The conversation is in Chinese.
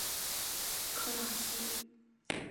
科朗西。